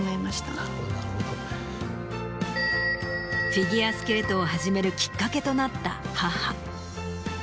フィギュアスケートを始めるきっかけとなった母。